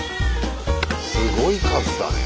すごい数だね。